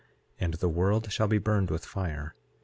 And the world shall be burned with fire.